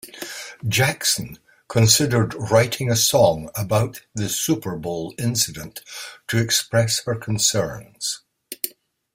Jackson considered writing a song about the Super Bowl incident to express her concerns.